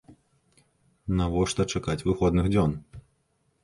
Навошта чакаць выходных дзён?